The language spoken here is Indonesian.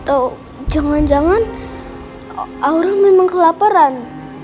atau jangan jangan aura memang kelaparan